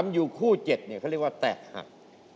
อยู่คู่๗เขาเรียกว่าแตกหัก